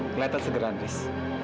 kelihatan segera haris